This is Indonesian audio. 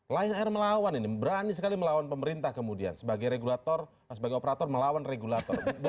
lion air melawan ini berani sekali melawan pemerintah kemudian sebagai regulator sebagai operator melawan regulator